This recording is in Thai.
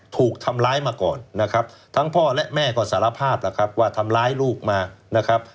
ถูกทำลายมาก่อนทั้งพ่อและแม่ก็สารภาพว่าทำลายลูกมา